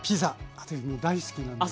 私も大好きなんですよ。